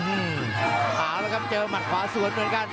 อื้อฮือหาแล้วครับเจอหมันขวาสวนเหมือนกัน